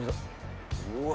うわ。